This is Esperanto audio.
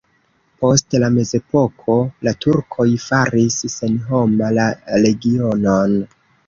Post la mezepoko la turkoj faris senhoma la regionon.